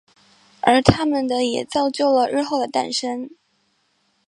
而他们的也造就了日后的诞生。